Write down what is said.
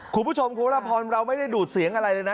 คุณผู้ชมคุณวรพรเราไม่ได้ดูดเสียงอะไรเลยนะ